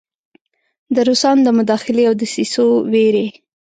د روسانو د مداخلې او دسیسو ویرې.